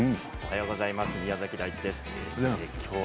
おはようございます宮崎